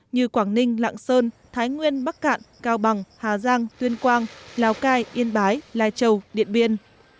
như quảng ninh lạng sơn thái nguyên bắc cạn cao bằng hà giang tuyên quang lào cai yên bái lai châu điện biên